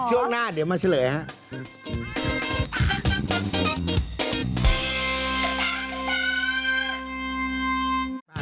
ช่วงหน้าเดี๋ยวมาเชลยฮะ